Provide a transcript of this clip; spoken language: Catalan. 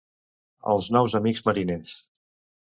Els nous amics mariners.